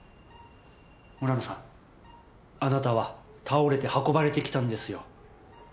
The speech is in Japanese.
村野さんあなたは倒れて運ばれてきたんですよ。